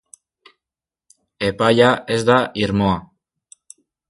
Epaia ez da irmoa.